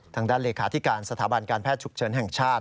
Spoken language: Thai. ทางด้านเลขาธิการสถาบันการแพทย์ฉุกเฉินแห่งชาติ